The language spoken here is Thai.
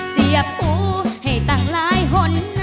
เชียบปู้ให้ตั้งหลายหล่น